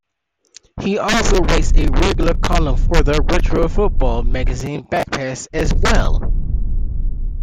He also writes a regular column for the retro football magazine Backpass as well.